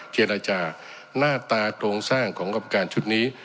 เจรจาหน้าตาโครงสร้างของกรรมการชุดนี้